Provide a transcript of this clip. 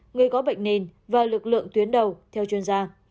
người có bệnh nền và lực lượng tuyến đầu theo chuyên gia